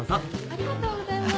・ありがとうございます。